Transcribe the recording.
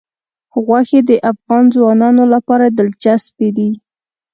غوښې د افغان ځوانانو لپاره دلچسپي لري.